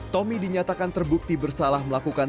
tommy dinyatakan terbukti bersalah melakukan